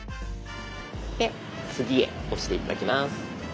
で「次へ」押して頂きます。